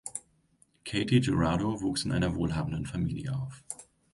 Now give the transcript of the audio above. Katy Jurado wuchs in einer wohlhabenden Familie auf.